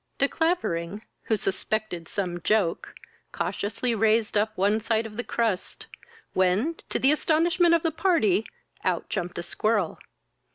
De Clavering, who suspected some joke, cautiously raised up one side of the crust, when, to the astonishment of the party, out jumped a squirrel.